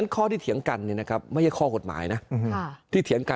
คอที่เถี๋ยงกันไม่ใช่คอกฎหมายนะ